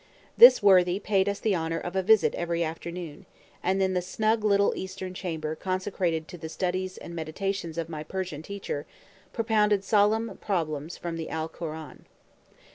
This worthy paid us the honor of a visit every afternoon, and in the snug little eastern chamber consecrated to the studies and meditations of my Persian teacher propounded solemn problems from the Alkoran.